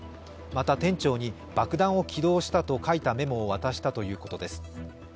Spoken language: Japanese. また、店長に爆弾を起動したと書いたメモを渡したということです。